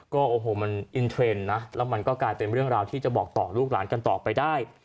ก็โอ้โหมันอินเทรนด์นะแล้วมันก็กลายเป็นเรื่องราวที่จะบอกต่อลูกหลานกันต่อไปได้